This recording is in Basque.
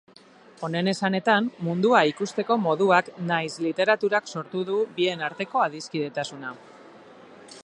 Honen esanetan, mundua ikusteko moduak nahiz literaturak sortu du bien arteko adiskidetasuna.